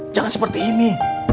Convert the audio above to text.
jangan seperti ini